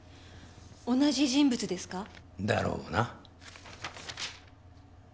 同じ人物ですか？だろうな。